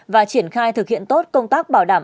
và triển khai thực hiện tốt công tác bảo đảm